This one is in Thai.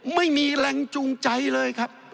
ไม่มีแรงจูงใจเลยครับ